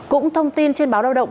cũng thông tin trên báo lao động